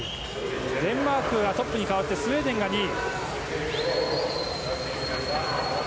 デンマークがトップに変わってスウェーデンが２位。